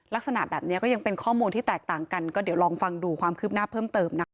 ลักษณะแบบนี้ก็ยังเป็นข้อมูลที่แตกต่างกันก็เดี๋ยวลองฟังดูความคืบหน้าเพิ่มเติมนะคะ